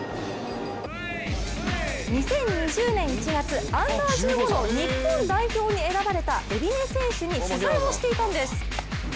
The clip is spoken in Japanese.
２０２０年１月、Ｕ−１５の日本代表に選ばれた海老根選手に取材をしていたんです。